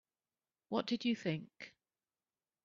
What did you think?